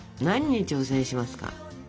何に挑戦しますか？